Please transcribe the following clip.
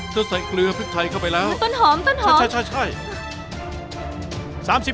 ก็ใส่เกลือพริกไทยเข้าไปแล้วต้นหอมต้นหอมใช่